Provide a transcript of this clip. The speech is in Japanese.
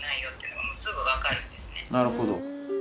なるほど。